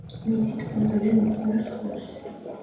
მისი წყენა ძალიან ეწყინა სხვებს